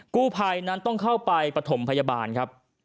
กู้ภัยนั้นต้องเข้าไปปฐมพยาบาลครับ